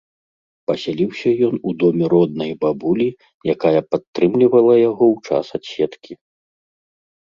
Пасяліўся ён у доме роднай бабулі, якая падтрымлівала яго ў час адседкі.